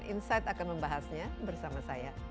insight akan membahasnya bersama saya